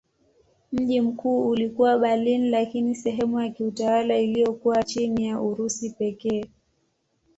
Mji mkuu ulikuwa Berlin lakini sehemu ya kiutawala iliyokuwa chini ya Urusi pekee.